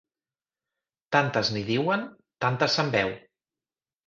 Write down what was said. Tantes n'hi diuen, tantes se'n beu.